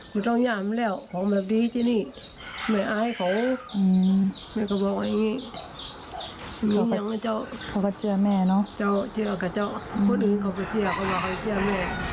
ว่าแม่ไม่ต้องกราบมันก็เลยก้มกราบแม่